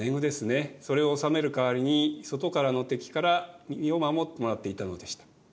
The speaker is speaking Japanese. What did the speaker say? それを納める代わりに外からの敵から身を守ってもらっていたのでした。